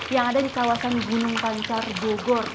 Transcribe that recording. yang ada di kawasan gunung pancar bogor